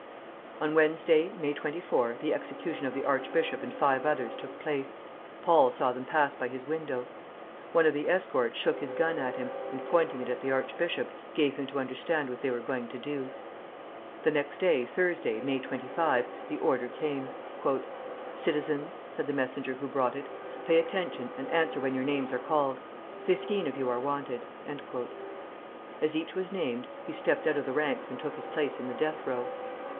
On Wednesday, May 24, the execution of the archbishop and five others took place, Paul saw them pass by his window; one of the escort shook his gun at him, and pointing it at the archbishop, gave him to understand what they were going to do. The next day, Thursday, May 25, the order came. "Citizens," said the messenger who brought it, "pay attention, and answer when your names are called. Fifteen of you are wanted." As each was named, he stepped out of the ranks and took his place in the death row.